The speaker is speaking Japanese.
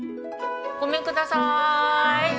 ごめんください。